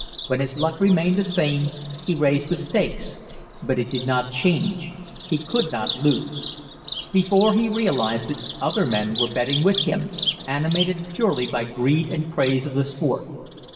When his luck remained the same, he raised the stakes, but it did not change he could not lose. Before he realized it, other men were betting with him, animated purely by greed and craze of the sport.